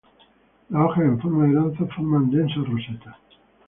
Las hojas en forma de lanza forman densas rosetas.